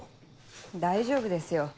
大丈夫ですよ。